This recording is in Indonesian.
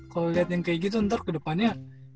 kalau lihat yang kayak gitu ntar ke depannya